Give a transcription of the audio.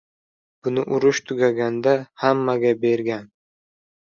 Buni urush tugaganda hammaga bergan!